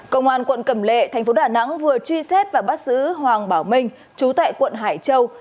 công an quận cầm lệ tp đà nẵng vừa truy xét và bắt xứ hoàng bảo minh chú tại quận hải châu